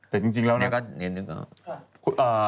แต่จริงแล้วนะเนี่ยก็